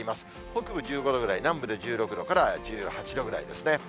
北部１５度ぐらい、南部で１６度から１８度ぐらいですね。